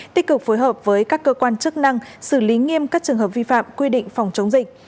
tích cực phối hợp với các cơ quan chức năng xử lý nghiêm các trường hợp vi phạm quy định phòng chống dịch